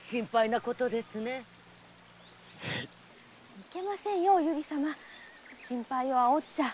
いけませんよお由利様心配を煽っちゃ。